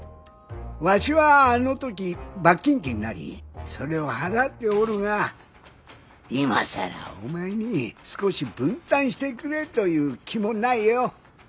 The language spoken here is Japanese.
わしはあの時罰金刑になりそれを払っておるが今更お前に少し分担してくれという気もないよ。